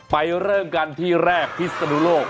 เริ่มกันที่แรกพิศนุโลก